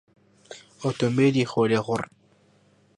ئۆتۆمبێلی خۆلێخوڕ